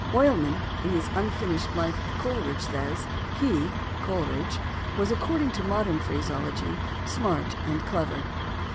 Oilman in his unfinished Life of Coleridge says (p. 259), "he (Coleridge) was accord ing to modern phraseology 'smart and clever.'